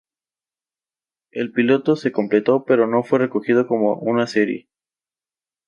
El piloto se completó, pero no fue recogido como una serie.